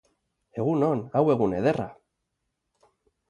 Egun on, hau egun ederra!